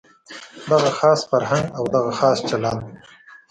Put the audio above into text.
دغه خاص فرهنګ او دغه خاص چلند.